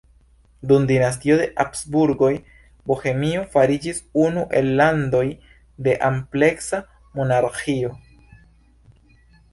Dum dinastio de Habsburgoj Bohemio fariĝis unu el landoj de ampleksa monarĥio.